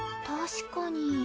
確かに。